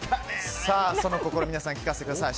その心、皆さん聞かせてください。